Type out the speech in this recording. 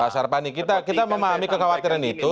pak sarpani kita memahami kekhawatiran itu